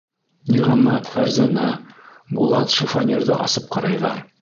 Ниғәмәт, Фәрзәнә, Булат шифоньерҙы асып ҡарайҙар.